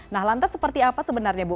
nah lantas seperti apa sebenarnya bu